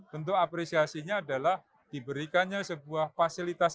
bentuk apresiasinya adalah diberikannya sebuah fasilitas